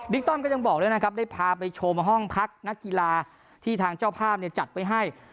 ต้อมก็ยังบอกด้วยนะครับได้พาไปชมห้องพักนักกีฬาที่ทางเจ้าภาพจัดไว้ให้